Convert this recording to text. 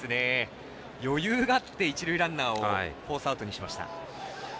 余裕があって一塁ランナーフォースアウトしました。